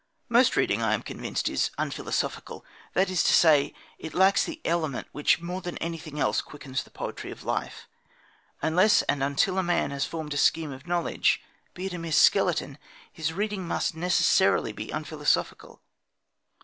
Most reading, I am convinced, is unphilosophical; that is to say, it lacks the element which more than anything else quickens the poetry of life. Unless and until a man has formed a scheme of knowledge, be it a mere skeleton, his reading must necessarily be unphilosophical.